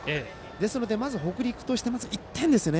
ですので、北陸としてまず、１点ですよね。